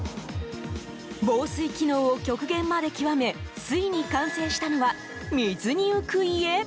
防水機能を極限まで極めついに完成したのは水に浮く家？